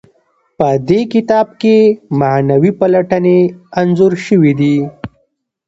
په دې کتاب کې معنوي پلټنې انځور شوي دي.